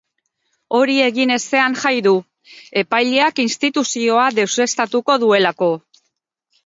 Hori egin ezean jai du, epaileak instituzioa deuseztatuko duelako.